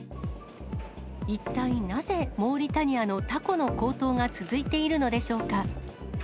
一体なぜ、モーリタニアのタコの高騰が続いているのでしょうか。